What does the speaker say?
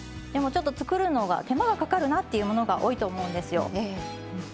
でも、ちょっと作るのが手間がかかるなっていうものが多いと思うんですよ。